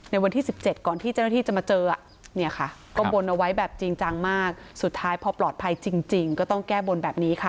วันที่๑๗ก่อนที่เจ้าหน้าที่จะมาเจอเนี่ยค่ะก็บนเอาไว้แบบจริงจังมากสุดท้ายพอปลอดภัยจริงก็ต้องแก้บนแบบนี้ค่ะ